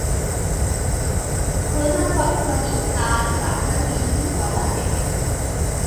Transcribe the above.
প্রধান ফল-ফলাদিব তাল, কাঁঠাল, লিচু, কলা, পেঁপে।